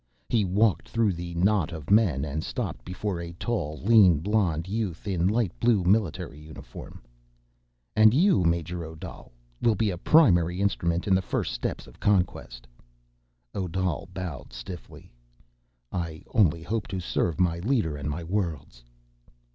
He walked through the knot of men and stopped before a tall, lean, blond youth in light blue military uniform. "And you, Major Odal, will be a primary instrument in the first steps of conquest." Odal bowed stiffly. "I only hope to serve my leader and my worlds."